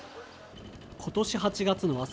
今年８月の朝